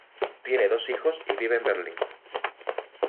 Tiene dos hijos y vive en Berlín.